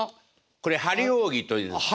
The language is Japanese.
これ張り扇というんです。